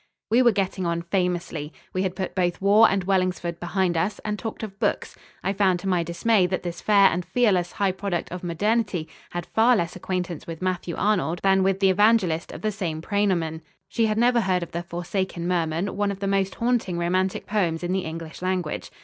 We were getting on famously. We had put both war and Wellingsford behind us, and talked of books. I found to my dismay that this fair and fearless high product of modernity had far less acquaintance with Matthew Arnold than with the Evangelist of the same praenomen. She had never heard of "The Forsaken Merman," one of the most haunting romantic poems in the English language.